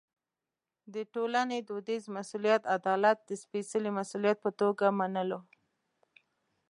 د ټولنې دودیز مسوولیت عدالت د سپېڅلي مسوولیت په توګه منلو.